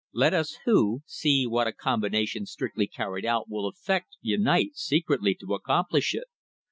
Let us who see what a combination strictly carried out will effect unite secretly to accomplish it.